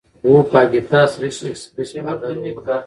وپاګیتا سريش ایکسپریس بالر وه.